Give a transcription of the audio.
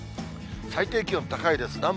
最低気温高いです。